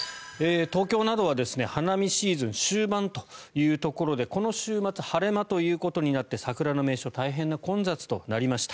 東京などは花見シーズン終盤というところでこの週末晴れ間ということになって桜の名所大変な混雑となりました。